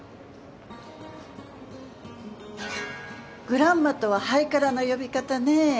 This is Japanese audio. グランマとはハイカラな呼び方ね。